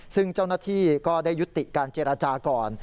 ซึ่งเจ้าหน้าที่ก็ได้ยุติการเจรจาก่อน